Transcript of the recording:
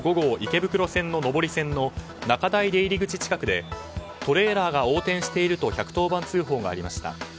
池袋線の上り線の中台出入り口近くでトレーラーが横転していると１１０番通報がありました。